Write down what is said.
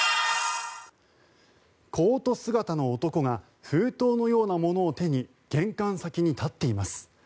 コート姿の男が封筒のようなものを手に玄関先に立っています。